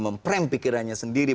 memprem pikirannya sendiri